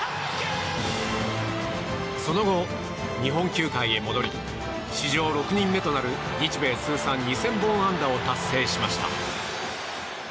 その後、日本球界へ戻り史上６人目となる日米通算２０００本安打を達成しました。